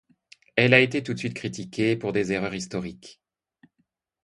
Elle a été tout de suite critiquée pour des erreurs historiques.